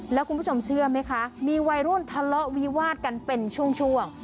แล้วคุณผู้ชมเชื่อไหมคะมีวัยรุ่นทะเลาะวิวาดกันเป็นช่วง